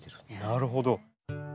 なるほど。